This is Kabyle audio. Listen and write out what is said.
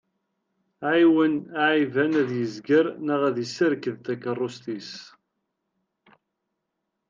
Ɛiwen aɛiban ad yezger, neɣ ad iserked takerrust-is.